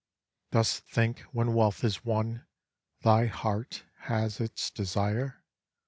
Dost think, when wealth is won, Thy heart has its desire?